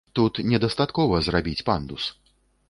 Тут не дастаткова зрабіць пандус.